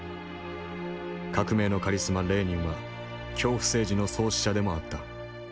革命のカリスマレーニンは恐怖政治の創始者でもあった。